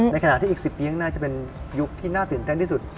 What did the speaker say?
ขณะที่อีก๑๐ปีข้างหน้าจะเป็นยุคที่น่าตื่นเต้นที่สุด